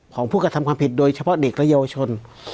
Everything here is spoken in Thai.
ของผู้กระทำความผิดโดยเฉพาะเด็กและเยาวชน